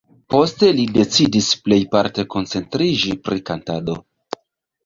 Poste li decidis plejparte koncentriĝi pri kantado.